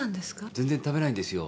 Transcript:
全然食べないんですよ。